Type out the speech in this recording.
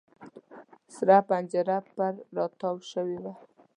سره پنجره پر را تاو شوې ده.